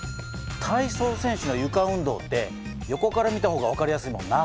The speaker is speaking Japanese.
体操選手の床運動って横から見た方が分かりやすいもんな。